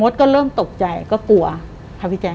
มดก็เริ่มตกใจก็กลัวพี่แจ๊ค